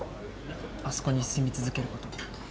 あそこに住み続けること。